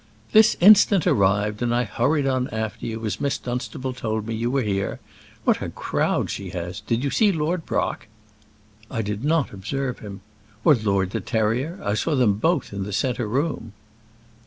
"This instant arrived; and I hurried on after you, as Miss Dunstable told me that you were here. What a crowd she has! Did you see Lord Brock?" "I did not observe him." "Or Lord De Terrier? I saw them both in the centre room."